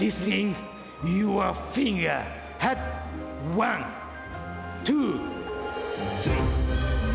１・２・３！